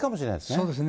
そうですね。